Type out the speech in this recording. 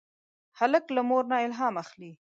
هلک له مور نه الهام اخلي.